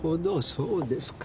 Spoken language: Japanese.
そうですか。